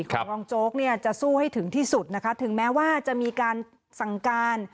ของรองโจ๊กเนี่ยจะสู้ให้ถึงที่สุดนะคะถึงแม้ว่าจะมีการสั่งการ